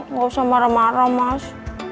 nggak usah marah marah mas